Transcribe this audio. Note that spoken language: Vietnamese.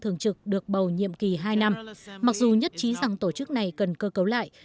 thường trực được bầu nhiệm kỳ hai năm mặc dù nhất trí rằng tổ chức này cần cơ cấu lại